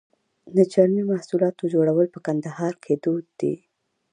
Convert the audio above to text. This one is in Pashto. د چرمي محصولاتو جوړول په کندهار کې دود دي.